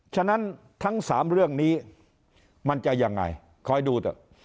ฉะนั้นทั้ง๓เรื่องนี้มันจะยังไงคอยดูเถอะ